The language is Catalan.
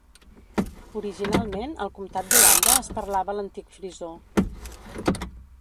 Originalment al comtat d'Holanda es parlava l'antic frisó.